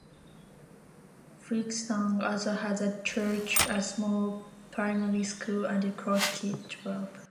Withington also has a church a small primary school, and the Cross Keys pub.